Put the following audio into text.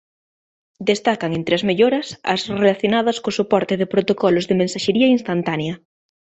Destacan entre as melloras as relacionadas co soporte de protocolos de mensaxería instantánea.